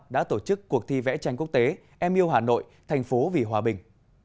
đã tổ chức cuộc thi vẽ tranh quốc tế em yêu hà nội thành phố vì hòa bình